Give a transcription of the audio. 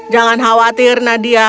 jangan khawatir nadia